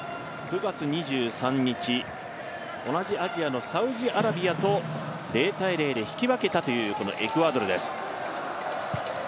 ９月２３日、同じアジアのサウジアラビアと０−０で引き分けたエクアドルです。